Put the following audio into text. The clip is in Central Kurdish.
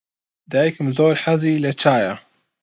دایکم زۆر حەزی لە چایە.